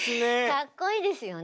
かっこいいですよね。